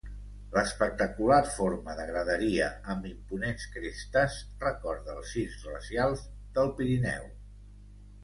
L'espectacular forma de graderia amb imponents crestes recorda els circs glacials del Pirineu.